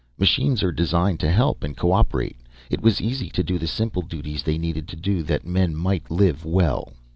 Machines are designed to help and cooperate. It was easy to do the simple duties they needed to do that men might live well.